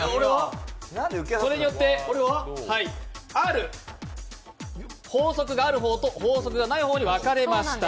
それによって、法則がある方と法則がない方に分かれました。